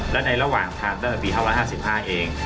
และในระหว่างไปเกือบตั้งแต่ปี๑๙๕๕เอง